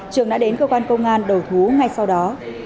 trường đã đến cơ quan công an đầu thú ngay sau đó